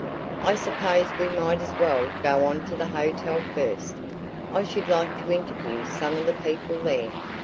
"I suppose we might as well go on to the hotel first. I should like to interview some of the people there.